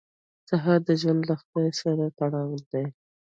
سهار د ژوند له خدای سره تړاو دی.